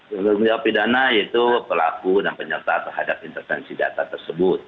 yang bertanggung jawab pidana yaitu pelaku dan penyerta terhadap intervensi data tersebut